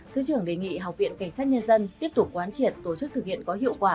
thứ trưởng đề nghị học viện cảnh sát nhân dân tiếp tục quán triệt tổ chức thực hiện có hiệu quả